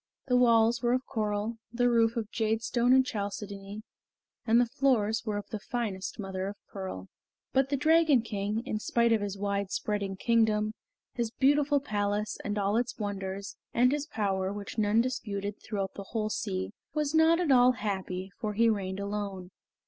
The walls were of coral, the roof of jadestone and chalcedony, and the floors were of the finest mother of pearl. But the Dragon King, in spite of his wide spreading kingdom, his beautiful palace and all its wonders, and his power, which none disputed throughout the whole sea, was not at all happy, for he reigned alone.